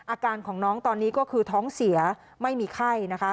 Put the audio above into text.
อาการของน้องตอนนี้ก็คือท้องเสียไม่มีไข้นะคะ